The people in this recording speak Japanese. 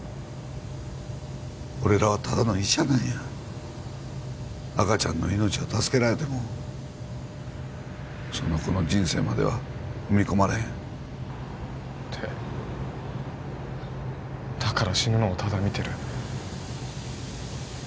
俺らはただの医者なんや赤ちゃんの命を助けられてもその子の人生までは踏み込まれへんでだから死ぬのをただ見てる？